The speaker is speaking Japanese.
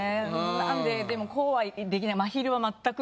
何ででもこうはできない。